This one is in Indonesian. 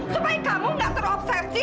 supaya kamu gak terobsesi